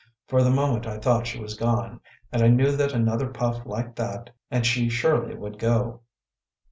For the moment I thought she was gone, and I knew that another puff like that and she surely would go.